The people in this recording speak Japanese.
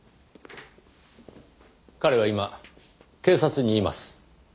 彼は今警察にいます。